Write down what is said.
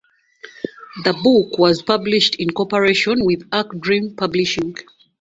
The book was published in cooperation with Arc Dream Publishing.